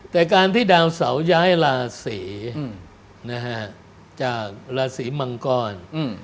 แต่การที่ดาวเสาย้ายราศีจากราศีมังกร